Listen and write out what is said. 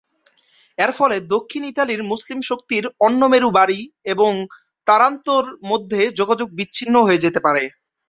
এর ফলে দক্ষিণ ইতালির মুসলিম শক্তির অন্য মেরু বারি এবং তারান্তো-র মধ্যে যোগাযোগ বিচ্ছিন্ন হয়ে যেতে পারে।